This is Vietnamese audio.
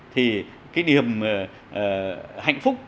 thì cái điểm hạnh phúc